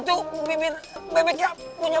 tuh anak lai sama kita